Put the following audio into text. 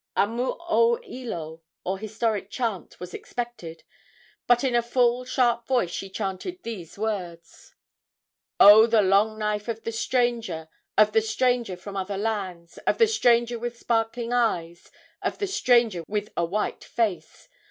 A moooelo, or historic chant, was expected; but in a full, sharp voice she chanted these words: "O the long knife of the stranger, Of the stranger from other lands, Of the stranger with sparkling eyes, Of the stranger with a white face!